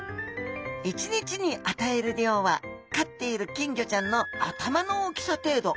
１日に与える量は飼っている金魚ちゃんの頭の大きさ程度。